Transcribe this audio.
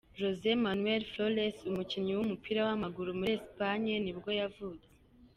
José Manuel Flores, umukinnyi w’umupira w’amaguru wo muri Espagne nibwo yavutse.